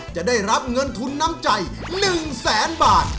จะได้รับเงินทุนน้ำใจ๑แสนบาท